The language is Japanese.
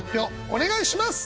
お願いします！